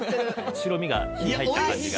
白身が火が入った感じが。